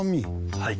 はい。